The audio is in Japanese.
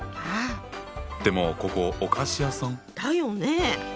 でもここお菓子屋さん？だよね。